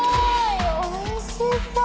おいしそう！